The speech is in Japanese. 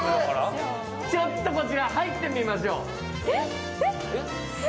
ちょっとこちら入ってみましょう。